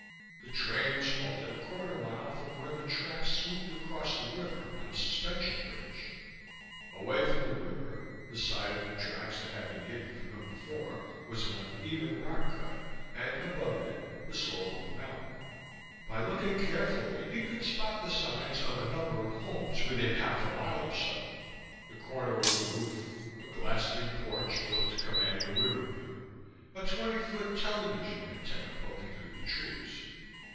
The train was halted a quarter mile from where the tracks swooped across the river on a suspension bridge. Away from the river, the side of the tracks that had been hidden from him before, was an uneven rock cut and, above it, the slope of a mountain. By looking carefully he could spot the signs of a number of homes within half a mile or so the corner of a roof, a glassed in porch built to command a river view, a twenty foot television antenna poking through the trees.